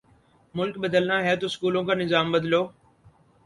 ملک بدلنا ہے تو سکولوں کا نظام بدلو۔